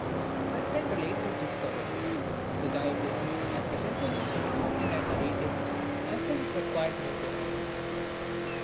My friend relates his discoveries. The guide listens as attentively to the second hand narrative as if it were quite new to him.